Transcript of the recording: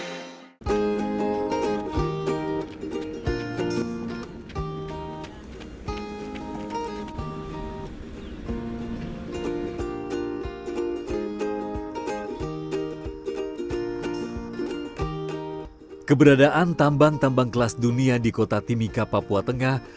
keberadaan tambang tambang kelas dunia di kota timika papua tengah